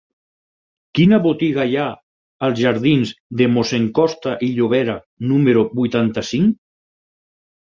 Quina botiga hi ha a la jardins de Mossèn Costa i Llobera número vuitanta-cinc?